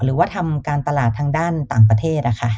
หรือว่าทำการตลาดทางด้านต่างประเทศ